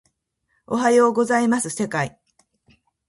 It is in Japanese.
おはようございます世界